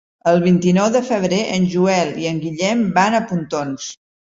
El vint-i-nou de febrer en Joel i en Guillem van a Pontons.